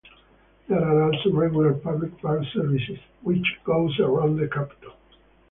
There are also regular public bus services which goes around the capital.